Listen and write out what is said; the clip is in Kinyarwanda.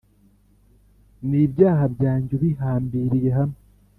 N ibyaha byanjye ubihambiriye hamwe